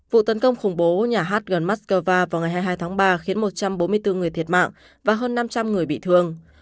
vụ tấn công khủng bố nhà hát gần moscow vào ngày hai mươi hai tháng ba khiến một trăm bốn mươi bốn người thiệt mạng và hơn năm trăm linh người bị thương